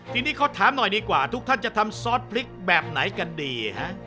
ทีนี้เขาถามหน่อยดีกว่าทุกท่านจะทำซอสพริกแบบไหนกันดีฮะ